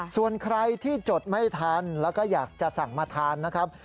ส่วนใครที่จดไม่ทันแล้วก็อยากจะสั่งมาทานนะครับ